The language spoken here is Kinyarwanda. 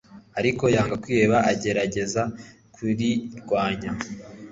ariko yanga kwiheba, agerageza kurirwanya